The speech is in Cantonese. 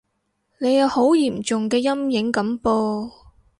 你有好嚴重嘅陰影噉喎